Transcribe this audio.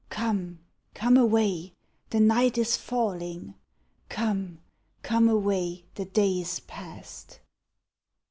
Come, come away, the night is falling; 'Come, come away, the day is past.'